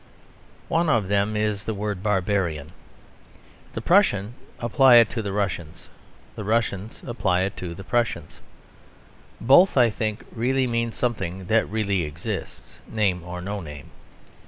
One of them is the word "barbarian." The Prussians apply it to the Russians: the Russians apply it to the Prussians. Both, I think, really mean something that really exists, name or no name.